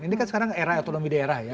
ini kan sekarang era otonomi daerah ya